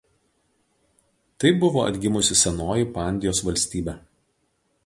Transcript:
Tai buvo atgimusi senoji Pandijos valstybė.